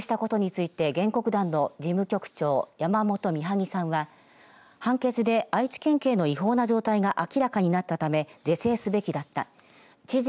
上告したことについて原告団の事務局長、山本みはぎさんは判決で愛知県警の違法な状態が明らかになったため是正すべきだった。